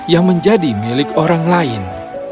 yang menjadi milik orang lain